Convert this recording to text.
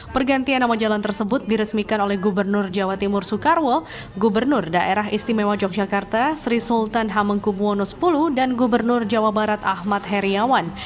pergantian nama jalan tersebut diresmikan oleh gubernur jawa timur soekarwo gubernur daerah istimewa yogyakarta sri sultan hamengkubwono x dan gubernur jawa barat ahmad heriawan